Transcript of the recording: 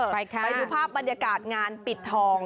ไปดูภาพบรรยากาศงานปิดทอง